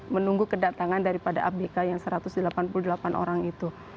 menunggu kedatangan daripada abk yang satu ratus delapan puluh delapan orang itu